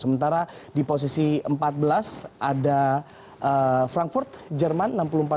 sementara di posisi empat belas ada frankfurt jerman